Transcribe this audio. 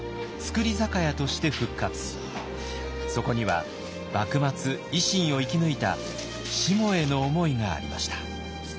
そこには幕末維新を生き抜いたしもへの思いがありました。